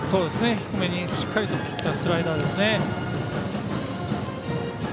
低めにしっかりと切ったスライダーですね。